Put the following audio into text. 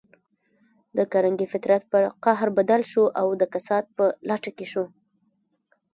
د کارنګي فطرت پر قهر بدل شو او د کسات په لټه کې شو.